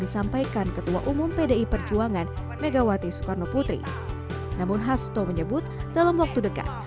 disampaikan ketua umum pdi perjuangan megawati soekarnoputri namun hasto menyebut dalam waktu